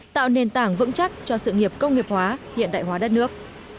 tạo nền tảng vững chắc cho sự nghiệp công nghiệp hóa hiện đại hóa đất nước